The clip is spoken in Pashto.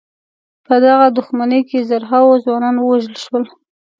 په دغه دښمنۍ کې زرهاوو ځوانان ووژل شول.